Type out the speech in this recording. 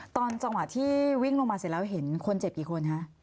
ตอนจังหวะที่วิ่งลงมาเสร็จแล้วเห็นคนเจ็บกี่คนคะ